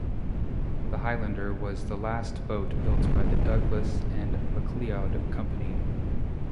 The "Highlander" was the last boat built by the Douglass and McLeod company.